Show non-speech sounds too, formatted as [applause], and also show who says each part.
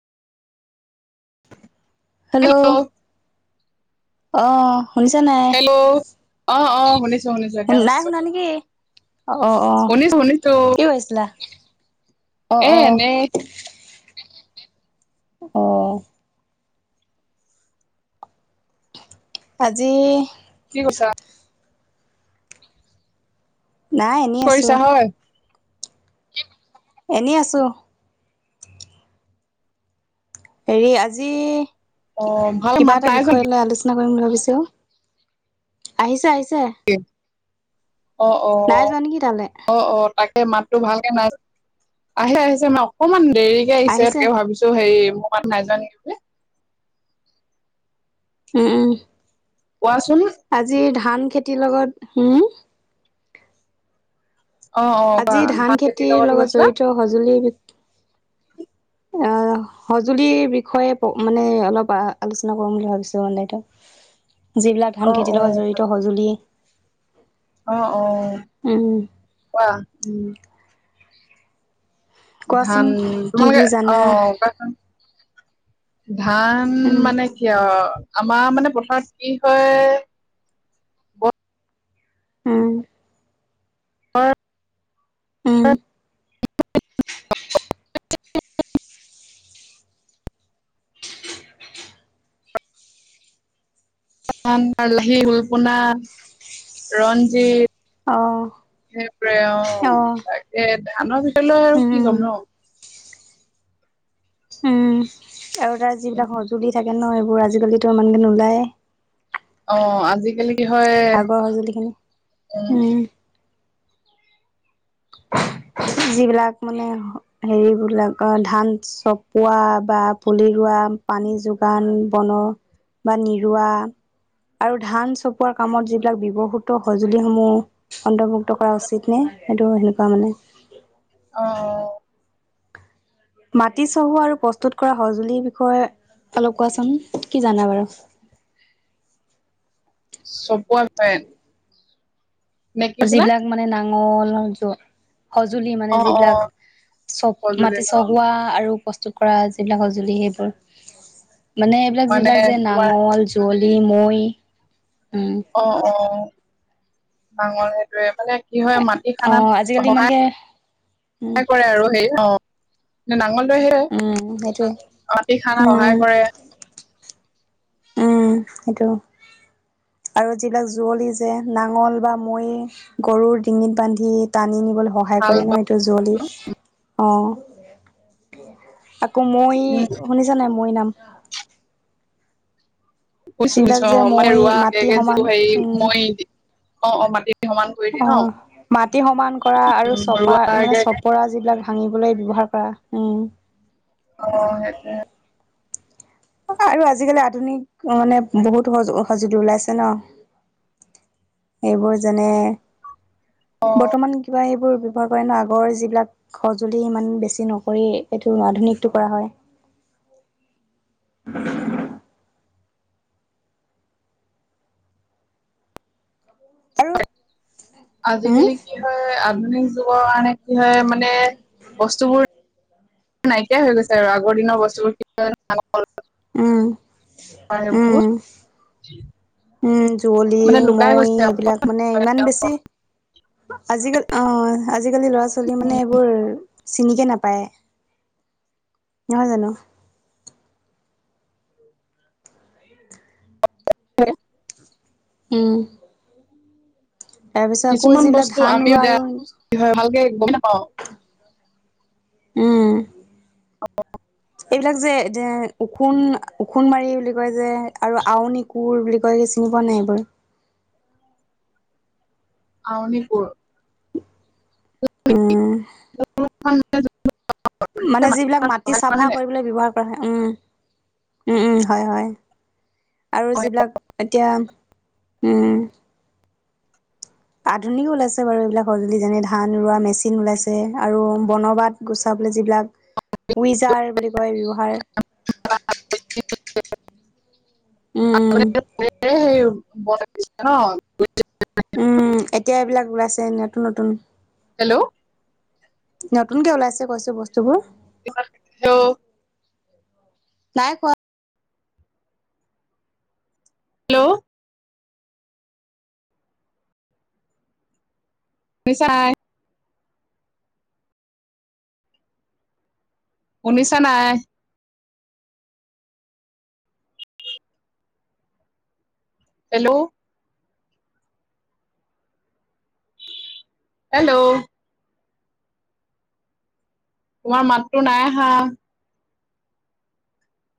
Speaker 1: Hello অ শুনিছা নাই
Speaker 2: হেল্ল' অ অ শুনিছো শুনিছো
Speaker 1: শুন
Speaker 2: এতিয়া
Speaker 1: নাই
Speaker 2: শুনিছো
Speaker 1: শুনা নেকি অ অ
Speaker 2: শুনিছো শুনিছো
Speaker 1: কি কৈছিলা অ
Speaker 2: এ
Speaker 1: অ
Speaker 2: এনে
Speaker 1: অ আজি
Speaker 2: কি কৈছা
Speaker 1: নাই
Speaker 2: কি
Speaker 1: এনেই আছোঁ
Speaker 2: কৰিছা হয়
Speaker 1: এনেই আছো হেৰি আজি
Speaker 2: অ ভাল
Speaker 1: কিবা
Speaker 2: মাত
Speaker 1: এটা
Speaker 2: নাইচোন
Speaker 1: বিষয় লৈ আলোচ চনা কৰিম বুলি ভাবিছোঁ আহিছে আহিছে
Speaker 2: অ অ
Speaker 1: নাই যোৱা নেকি তালে
Speaker 2: অ অ তাক মাততো ভালকে নাই আহে আহিছে মানে অকনমান দেৰিকে আহিছে তাকে ভাবিছ তো হেৰি মোৰ মাত নাই যোৱা নেকি তোলে
Speaker 1: উম উম
Speaker 2: কোৱাচোন
Speaker 1: আজি ধান খেতিৰ লগত হোম
Speaker 2: অ অ কোৱা
Speaker 1: আজি ধান খেতিৰ
Speaker 2: কি
Speaker 1: লগত
Speaker 2: কৈছিলা
Speaker 1: জড়িত সঁজুলি বিষ অ সঁজুলিৰ বিষয়ে মানে অলপ আলোচনা কৰিম বুলি ভাবিছো মানে এইটো যিবিলাক
Speaker 2: অ
Speaker 1: ধান
Speaker 2: অ
Speaker 1: খেতিৰ লগত জড়িত সঁজুলি
Speaker 2: অ অ
Speaker 1: উম,
Speaker 2: কোৱা উম
Speaker 1: কোৱাচোন
Speaker 2: ধান
Speaker 1: কি
Speaker 2: তোমালোকে
Speaker 1: কি
Speaker 2: অ
Speaker 1: জানা?
Speaker 2: কোৱাচোন ধান
Speaker 1: উম,
Speaker 2: মানে কি আও আমাৰ মানে পথাৰত কি হয়
Speaker 1: উম
Speaker 2: [unintelligible]
Speaker 1: উম
Speaker 2: [unintelligible] লাহি হুলপনা ৰঞ্জিত
Speaker 1: অ',
Speaker 2: সেইটোৱে অ তাকে ধানৰ বিষয়লৈ আৰু কি
Speaker 1: উম,
Speaker 2: ক'ম ন
Speaker 1: উম আৰু তাৰ যিবিলাক সঁজুলি থাকে ন এইবোৰ আজিকালি তো ইমানকে নোলায়
Speaker 2: অ আজিকালি কি হয়
Speaker 1: আগৰ সঁজুলি খিনি।
Speaker 2: উম
Speaker 1: যিবিলাক মানে হেৰিবিলাক ধান চপোৱা বা পুলি ৰোৱা পানী যোগান বনৰ বা নিৰুৱা। আৰু ধান চপোৱাৰ কামত যিবিলাক ব্যৱহূত সঁজুলিসমূহ অন্তৰ্ভুক্ত কৰা উচিত নে সেইটো সেনেকুৱা মানে
Speaker 2: অ', অ'।
Speaker 1: মাটি চহুৱা আৰু প্ৰস্তুত কৰা সঁজুলিৰ বিষয়ে অলপ কোৱাচোন কি জানা বাৰু।
Speaker 2: চপোৱা বিষয়ে
Speaker 1: যিবিলাক মানে নাঙল জ সঁজুলি মানে
Speaker 2: অ অ
Speaker 1: যিবিলাক চব
Speaker 2: সজুলি
Speaker 1: মাটি
Speaker 2: ন
Speaker 1: চহুৱা আৰু প্ৰস্তুত কৰা যিবিলাক সঁজুলি সেইবোৰ। মানে এইবিলাক যিবিলাক যে নাঙল যুঁৱলি, মৈ উম।
Speaker 2: অ', অ' নাঙল সেইটোয়ে মানে কি হয় মাটি
Speaker 1: অ
Speaker 2: খানাত
Speaker 1: আজিকালি
Speaker 2: সহায়-
Speaker 1: ইমানকে উম
Speaker 2: সহায় কৰে আৰু সেই অ'। নাঙলটোৱে সেই,
Speaker 1: উম সেইটোৱে
Speaker 2: মাটি খানাত
Speaker 1: উম
Speaker 2: সহায় কৰে।
Speaker 1: উম সেইটো। আৰু যিবিলাক যুঁৱলি যে নাঙল বা মৈ। গৰুৰ ডিঙিত বান্ধি টানি নিবলে সহায়
Speaker 2: হাল
Speaker 1: কৰে
Speaker 2: ব
Speaker 1: ন এইটো যুঁৱলি। অ'। আকৌ মৈ
Speaker 2: উম
Speaker 1: শুনিছা নাই মৈ নাম
Speaker 2: [unintelligible]
Speaker 1: যিবিলাক যে
Speaker 2: অ' মানে
Speaker 1: মৈ
Speaker 2: ৰোৱা আগে
Speaker 1: মাটি
Speaker 2: আগে
Speaker 1: সমান
Speaker 2: যিবোৰ হেৰি
Speaker 1: উম
Speaker 2: মৈ অ', অ' মাটি সমান কৰি দিয়ে ন
Speaker 1: অ' মাটি সমান কৰা আৰু চপা মানে
Speaker 2: মৰুৱাগে
Speaker 1: চপৰা যিবিলাক ভাঙিবলৈ ব্যৱহাৰ কৰা উম।
Speaker 2: অ' সেইটোৱে।
Speaker 1: আৰু আজিকালি আধুনিক মানে বহুত সজ, সঁজুলি ওলাইছে ন। এইবোৰ যেনে, বৰ্তমান কিবা এইবোৰ ব্যৱহাৰ কাৰণে আগৰ যিবিলাক সঁজুলি ইমান বেছি নকৰি এইটো আধুনিকটো কৰা হয়। [unintelligible] আৰু উম
Speaker 2: আজিকালি কি হয় আধুনিক যুগৰ কাৰণে কি হয় মানে বস্তুবোৰ নাইকিয়া হৈ গৈছে আৰু আগৰ দিনৰ বস্তুবোৰ
Speaker 1: উম
Speaker 2: [unintelligible]
Speaker 1: উম
Speaker 2: সেইবোৰ
Speaker 1: উম যুুঁৱলি,
Speaker 2: মানে লুকাই
Speaker 1: মৈ
Speaker 2: গৈছে
Speaker 1: এইবিলাক মানে ইমান বেছি আজিকালি অ' আজিকালি ল'ৰা ছোৱালী মানে এইবোৰ চিনিকে নাপায়, নহয় জানো।
Speaker 2: হয়।
Speaker 1: উম। তাৰপিছত আকৌ
Speaker 2: কিছুমান
Speaker 1: যিবিলাক
Speaker 2: বস্তু
Speaker 1: ধান
Speaker 2: আমিও
Speaker 1: ৰোৱা আৰু
Speaker 2: [unintelligible] কি হয় ভালকে গমে নাপাওঁ।
Speaker 1: উম। এইবিলাক যে এ ওখোন ওখোন মাৰি বুলি কয় যে আৰু আউনিক কোৰ বুলি কয় যে চিনি পোৱা নে নাই এইবোৰ
Speaker 2: আওনি কোৰ
Speaker 1: উম,
Speaker 2: [unintelligible]
Speaker 1: মানে যিবিলাক মাটি চাফা কৰিবলৈ ব্যৱহাৰ কৰা হয়। উম, উম, উম, হয়, হয়। আৰু যিবিলাক এতিয়া, উম। আধুনিক ওলাইছে বাৰু এইবিলাক সঁজুলি যেনে ধান ৰোৱা মেচিন ওলাইছে আৰু বনবাত গুচাবলে যিবিলাক উইজাৰ বুলি কয় ব্যৱহাৰ উম উম
Speaker 2: [unintelligible]
Speaker 1: উম এতিয়া এইবিলাক ওলাইছে নতুন নতুন।
Speaker 2: হেল্ল'
Speaker 1: নতুনকে ওলাইছে কৈছো বস্তুবোৰ।
Speaker 2: হেল্ল
Speaker 1: নাই কোৱা
Speaker 2: হেল্ল' [unintelligible] শুনিছা নাই হেল্ল' হেল্ল' তোমাৰ মাততো নাই আহা।